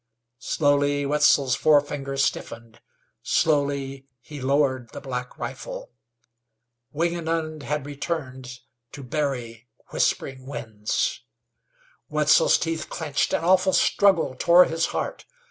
Slowly Wetzel's forefinger stiffened; slowly he lowered the black rifle. Wingenund had returned to bury Whispering Winds. Wetzel's teethe clenched, an awful struggle tore his heart.